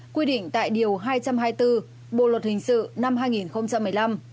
quy định tại điều hai trăm hai mươi bốn bộ luật hình sự năm hai nghìn một mươi năm